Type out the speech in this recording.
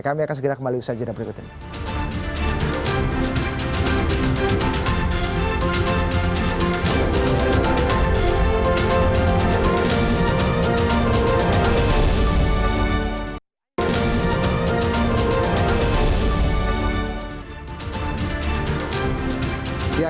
kami akan segera kembali ke segmen berikutnya